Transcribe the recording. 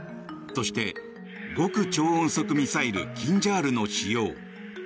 そして、極超音速ミサイル「キンジャール」の使用。